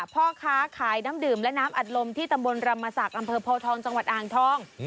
พ่อค้้าขายน้ำดื่มและน้ำอัดลมที่ตมบลรำมาศักดิ์อพจังหวัดอ่างท่อง